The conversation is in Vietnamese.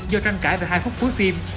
do tranh cãi về hai phút cuối phim